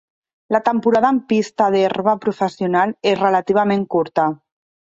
La temporada en pista d'herba professional és relativament curta.